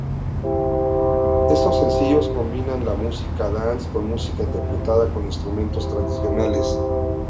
Estos sencillos combinan la música dance con música interpretada con instrumentos tradicionales.